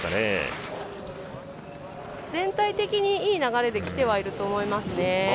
全体的にいい流れできていると思いますね。